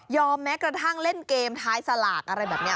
แม้กระทั่งเล่นเกมท้ายสลากอะไรแบบนี้